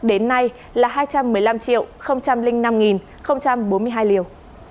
tổng số liều vaccine đã tiêm trên cả nước đến nay là hai trăm một mươi năm năm bốn mươi hai liều